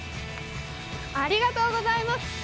ありがとうございます。